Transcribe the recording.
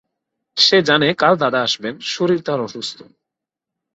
সে জানে কাল দাদা আসবেন, শরীর তাঁর অসুস্থ।